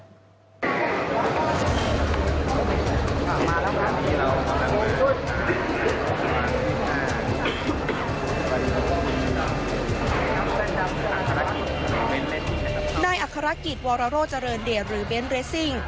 นายอัครกิจวรโรเจริญเดชหรือเบนทเรสซิ่ง